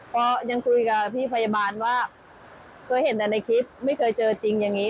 เพราะยังคุยกับพี่พยาบาลว่าเคยเห็นเหมือนในคลิปไม่เคยเจอจริงแบบนี้